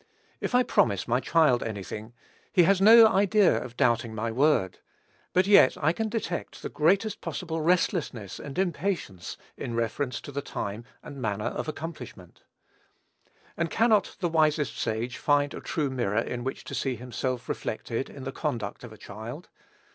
If I promise my child any thing, he has no idea of doubting my word; but yet, I can detect the greatest possible restlessness and impatience in reference to the time and manner of accomplishment. And cannot the wisest sage find a true mirror in which to see himself reflected in the conduct of a child?